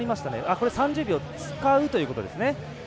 これは３０秒使うということですね。